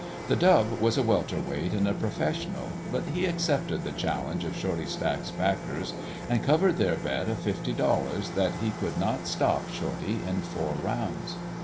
The dub was a welter weight and a professional, but he accepted the challenge of Shorty Stack's backers and covered their bet of fifty dollars that he could not "stop" Shorty in four rounds.